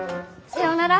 さようなら。